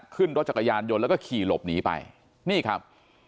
ขึ้นรถจักรยานยนต์แล้วก็ขี่หลบหนีไปนี่ครับ